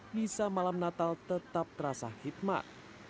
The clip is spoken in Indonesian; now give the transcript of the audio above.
nisa malam natal tetap terasa khidmat